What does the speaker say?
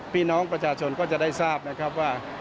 พี่น้องประชาชนก็จะได้ทราบนะครับว่า